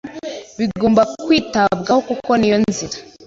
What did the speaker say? bigomba kwitabwaho kuko niyo nzira